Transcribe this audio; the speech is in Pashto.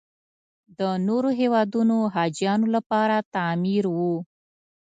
د نورو هېوادونو حاجیانو لپاره تعمیر و.